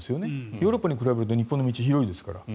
ヨーロッパに比べると日本の道広いですから。